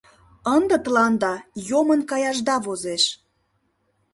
— Ынде тыланда йомын каяшда возеш!